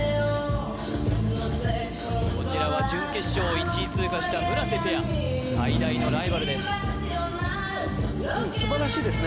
こちらは準決勝１位通過した村瀬ペア最大のライバルですうん素晴らしいですね